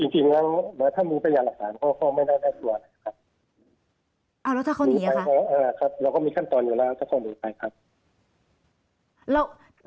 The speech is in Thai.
อ๋อจริงแต่ถ้ามีประหยากสารก็ไม่ได้แทรกอย่างไร